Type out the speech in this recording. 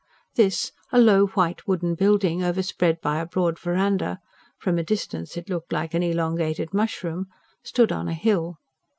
This, a low white wooden building, overspread by a broad verandah from a distance it looked like an elongated mushroom stood on a hill.